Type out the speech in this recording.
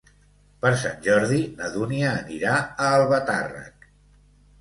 Per Sant Jordi na Dúnia anirà a Albatàrrec.